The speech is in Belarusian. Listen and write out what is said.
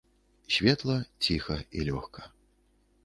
Светла, ціха і лёгка.